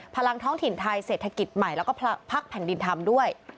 พลังท้องถิ่นไทยเศรษฐกิจใหม่แล้วก็พักแผ่นดินธรรมด้วย